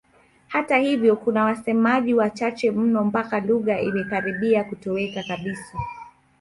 Hata hivyo kuna wasemaji wachache mno mpaka lugha imekaribia kutoweka kabisa.